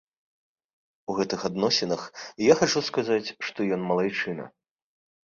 У гэтых адносінах я хачу сказаць, што ён малайчына.